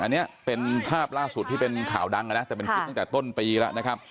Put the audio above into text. อันนี้เป็นภาพล่าสุดที่เป็นข่าวดังนะแต่เป็นคลิปตั้งแต่ต้นปีแล้วนะครับ